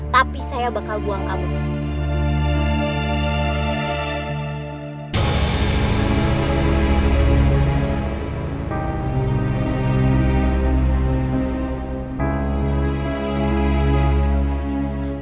tapi saya bakal buang kamu disini